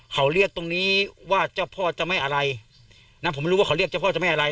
เขาเรียกตรงนี้ว่าเจ้าพ่อเจ้าแม่อะไรนะผมไม่รู้ว่าเขาเรียกเจ้าพ่อเจ้าแม่อะไร